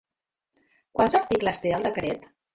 Quants articles té el decret?